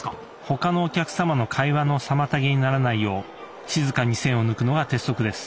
他のお客様の会話の妨げにならないよう静かに栓を抜くのが鉄則です。